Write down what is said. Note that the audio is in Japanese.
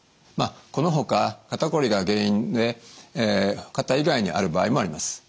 このほか肩こりが原因で肩以外にある場合もあります。